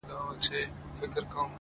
گلاب جانانه ته مي مه هېروه ـ